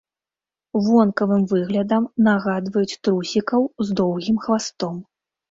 Вонкавым выглядам нагадваюць трусікаў з доўгім хвастом.